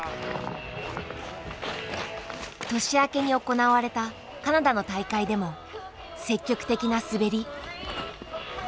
年明けに行われたカナダの大会でも積極的な滑り。